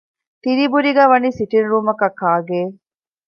ތިރީބުރީގައި ވަނީ ސިޓިންގ ރޫމަކާއި ކާގެއެއް